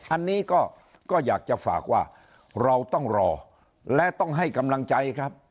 อันนี้ก็อยากจะฝากว่าเราต้องรอและต้องให้กำลังใจครับ